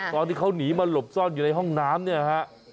ตอนที่เข้านีมาหลบซ่อนอยู่ในห้องน้ำ